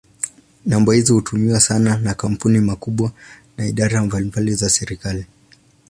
Namba hizo hutumiwa sana na makampuni makubwa na idara mbalimbali za serikali.